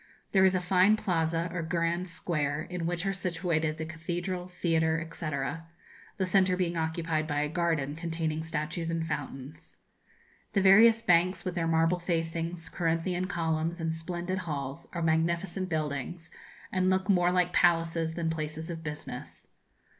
There is a fine plaza, or grand square, in which are situated the cathedral, theatre, &c., the centre being occupied by a garden, containing statues and fountains. The various banks, with their marble facings, Corinthian columns, and splendid halls, are magnificent buildings, and look more like palaces than places of business.